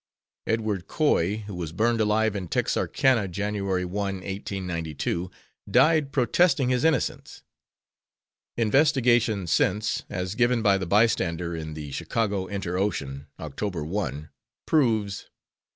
Edward Coy who was burned alive in Texarkana, January 1, 1892, died protesting his innocence. Investigation since as given by the Bystander in the Chicago Inter Ocean, October 1, proves: 1.